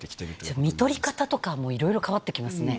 じゃあ、みとり方とかも、いろいろ変わってきますね。